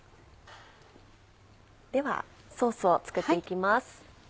ではソースを作っていきます。